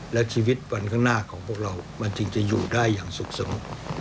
และชีวิตวันข้างหน้าของพวกเรามันจึงจะอยู่ได้อย่างสุขสงบ